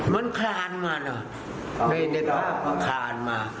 มันคลานมาน่ะในเน็ตพล็อคมันคลานมา